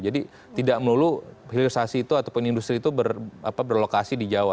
jadi tidak melulu hilirsasi itu ataupun industri itu berlokasi di jawa